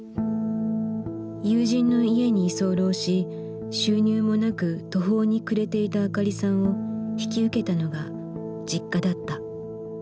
友人の家に居候し収入もなく途方に暮れていたあかりさんを引き受けたのがＪｉｋｋａだった。